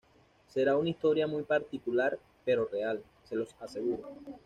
Será una historia muy particular, pero real, se los aseguro.